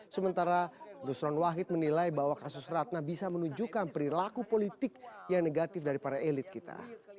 sementara nusron wahid menilai bahwa kasus ratna bisa menunjukkan perilaku politik yang negatif dari para elit kita